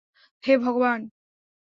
হে, ভগবান।